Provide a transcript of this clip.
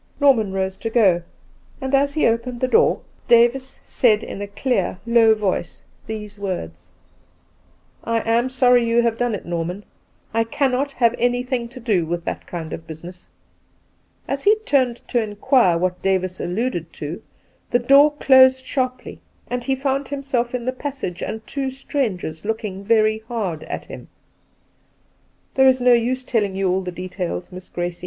J^orpaan rose to go, and as he opened the door, Davis said 2i6 Two Christmas Days in a clear, low voice these words: "I am sorry you ' have done it, Norman. I cannot have any thing to do with that kind of business." As he turned to inquire what Davis alluded to, the door closed sharply, and he found himself in the pas sage and two strangers looking very hard at him. There is no use telling you all the details. Miss Gracie.